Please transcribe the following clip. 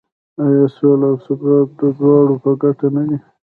آیا سوله او ثبات د دواړو په ګټه نه دی؟